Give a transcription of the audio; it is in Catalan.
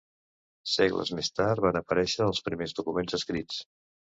Segles més tard, van aparèixer els primers documents escrits.